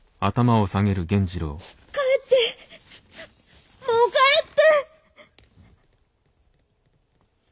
帰ってもう帰って。